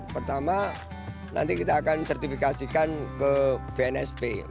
pertama nanti kita akan sertifikasikan ke bnsp